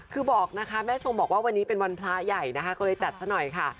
คือบอกนะคะแม่ชมบอกว่าวันนี้เป็นวันพระใหญ่นะคะก็เลยจัดซะหน่อยค่ะ